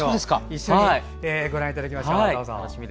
一緒にご覧いただきましょう。